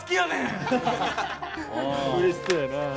うれしそやなぁ。